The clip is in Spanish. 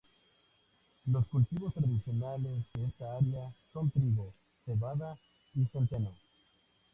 Los cultivos tradicionales de esta área son trigo, cebada y centeno.